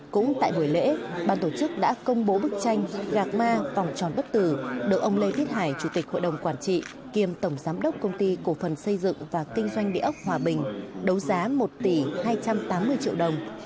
cũng tại buổi lễ ban tổ chức đã công bố bức tranh gạc ma vòng tròn bức tử được ông lê viết hải chủ tịch hội đồng quản trị kiêm tổng giám đốc công ty cổ phần xây dựng và kinh doanh địa ốc hòa bình đấu giá một tỷ hai trăm tám mươi triệu đồng